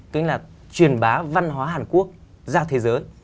tức là truyền bá văn hóa hàn quốc ra thế giới